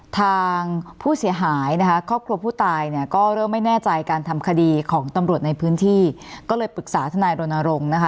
ทางผู้เสียหายนะคะครอบครัวผู้ตายเนี่ยก็เริ่มไม่แน่ใจการทำคดีของตำรวจในพื้นที่ก็เลยปรึกษาทนายรณรงค์นะคะ